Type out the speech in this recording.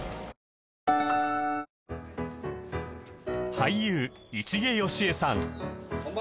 俳優市毛良枝さん